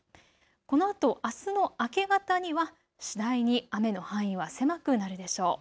このあとあすの明け方には次第に雨の範囲は狭くなるでしょう。